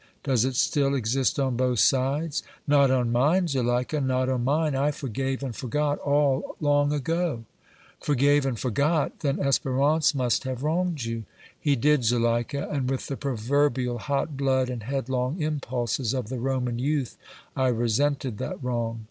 "Does it still exist on both sides?" "Not on mine, Zuleika, not on mine. I forgave and forgot all long ago." "Forgave and forgot! Then Espérance must have wronged you!" "He did, Zuleika, and with the proverbial hot blood and headlong impulses of the Roman youth I resented that wrong.